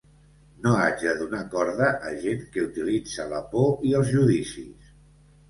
No haig de donar corda a gent que utilitza la por i els judicis.